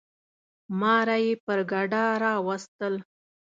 ماره یي پر ګډا راوستل.